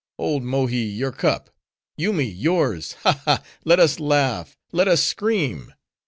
Old Mohi, your cup: Yoomy, yours: ha! ha! let us laugh, let us scream!